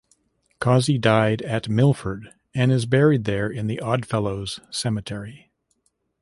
Causey died at Milford and is buried there in the Odd Fellows Cemetery.